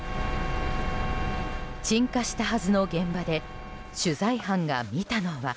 鎮火したはずの現場で取材班が見たのは。